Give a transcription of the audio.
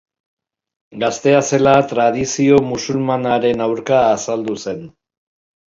Gaztea zela tradizio musulmanaren aurka azaldu zen.